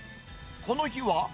この日は。